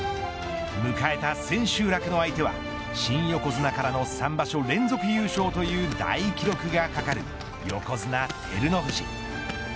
迎えた千秋楽の相手は新横綱からの３場所連続優勝という大記録が懸かる横綱、照ノ富士。